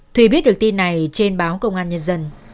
thùy biết được tin này trên báo công an nhân dân